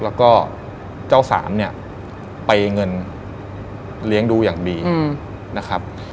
แล้วก็เจ้าสามเนี่ยไปเงินเลี้ยงดูอย่างดีนะครับ